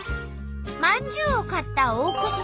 まんじゅうを買った大越さん。